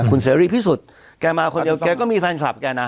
คุณเสรีพิสุทธิ์แกมาคนเดียวแกก็มีแฟนคลับแกนะ